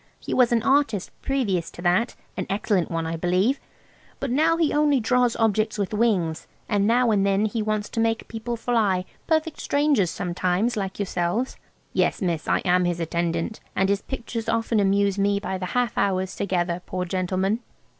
He was an artist previous to that–an excellent one, I believe. But now he only draws objects with wings–and now and then he wants to make people fly–perfect strangers sometimes, like yourselves. Yes, miss, I am his attendant, and his pictures often amuse me by the half hours together, poor gentleman."